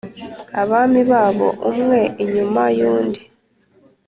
abami babo, umwe inyuma y’undi.